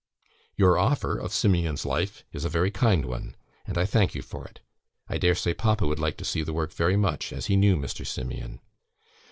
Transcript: Your offer of 'Simeon's Life' is a very kind one, and I thank you for it. I dare say Papa would like to see the work very much, as he knew Mr. Simeon.